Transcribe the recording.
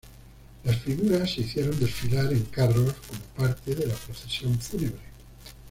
Las figuras se hicieron desfilar en carros como parte de la procesión fúnebre.